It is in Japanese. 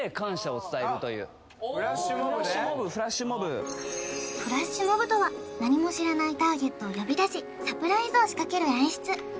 フラッシュモブフラッシュモブフラッシュモブとは何も知らないターゲットを呼び出しサプライズを仕掛ける演出